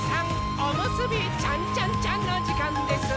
おむすびちゃんちゃんちゃんのじかんです！